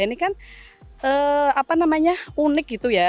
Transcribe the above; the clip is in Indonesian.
ini kan unik gitu ya